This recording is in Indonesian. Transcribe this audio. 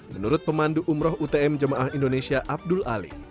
menurut pemandu umroh utm jemaah indonesia abdul ali